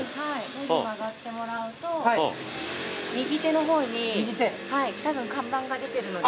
路地曲がってもらうと右手の方にたぶん看板が出てるので。